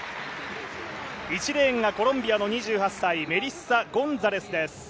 １レーンがコロンビアの２８歳ゴンザレスです。